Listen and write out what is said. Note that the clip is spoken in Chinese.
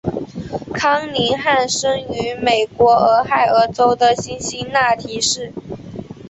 康宁汉生于美国俄亥俄州的辛辛那提市。